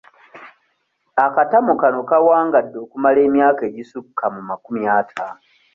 Akatamu kano kawangadde okumala emyaka egisukka mu makumi ataano.